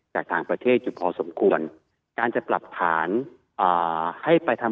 จากต่างประเทศอยู่พอสมควรการจะปรับฐานอ่าให้ไปทำ